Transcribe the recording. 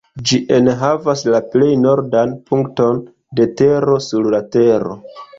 Ĝi enhavas la plej nordan punkton de tero sur la Tero.